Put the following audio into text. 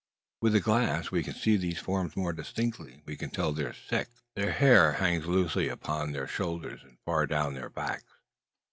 With the glass we can see these forms more distinctly; we can tell their sex. Their hair hangs loosely upon their shoulders, and far down their backs.